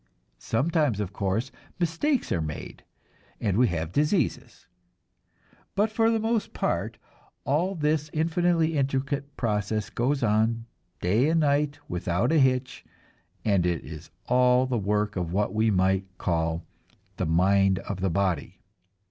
Sometimes, of course, mistakes are made and we have diseases. But for the most part all this infinitely intricate process goes on day and night without a hitch, and it is all the work of what we might call "the mind of the body."